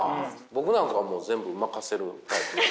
僕なんかはもう全部任せるタイプ。